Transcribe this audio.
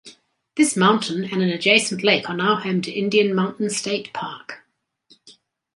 This mountain and an adjacent lake are now home to Indian Mountain State Park.